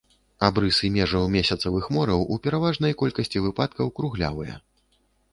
Абрысы межаў месяцавых мораў ў пераважнай колькасці выпадкаў круглявыя.